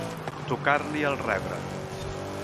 Tocar-li el rebre.